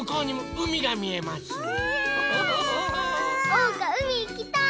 おうかうみいきたい！